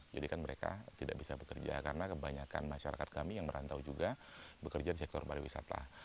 jadi kan mereka tidak bisa bekerja karena kebanyakan masyarakat kami yang merantau juga bekerja di sektor pariwisata